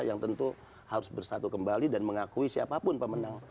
yang tentu harus bersatu kembali dan mengakui siapapun pemenang